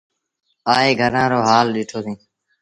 آئي گھرآݩ رو هآل ڏٺو سيٚݩ۔